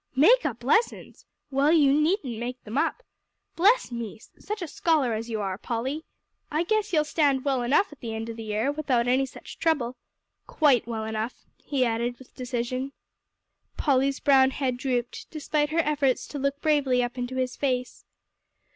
"Make up lessons? Well, you needn't make them up. Bless me! Such a scholar as you are, Polly, I guess you'll stand well enough at the end of the year, without any such trouble. Quite well enough," he added with decision. Polly's brown head drooped, despite her efforts to look bravely up into his face.